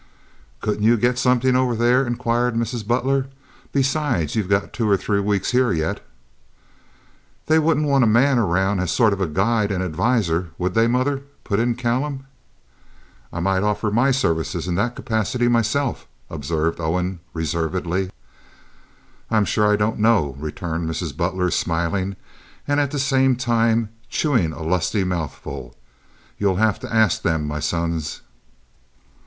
"Couldn't you get somethin' over there?" inquired Mrs. Butler. "Besides, you've got two or three weeks here yet." "They wouldn't want a man around as a sort of guide and adviser, would they, mother?" put in Callum. "I might offer my services in that capacity myself," observed Owen, reservedly. "I'm sure I don't know," returned Mrs. Butler, smiling, and at the same time chewing a lusty mouthful. "You'll have to ast 'em, my sons."